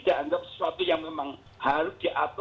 kalau memang ini dianggap sesuatu yang memang harus dianggap